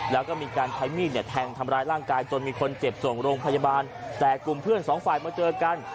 แล้วก็มีการใช้มีดเนี่ยแทงทำร้ายร่างกายจนมีคนเจ็บส่งโรงพยาบาลแต่กลุ่มเพื่อนสองฝ่ายมาเจอกัน